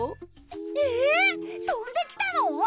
えっ飛んできたの？